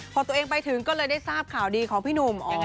พอตัวเองไปถึงก็เลยได้ทราบข่าวดีของพี่หนุ่ม